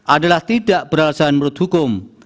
adalah tidak beralasan menurut hukum